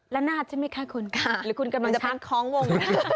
ละนาดใช่ไหมคะคุณค่ะหรือคุณกำลังจะพักคล้องวง